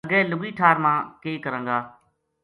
اگے لُگی ٹھار ما کے کراں گا ‘‘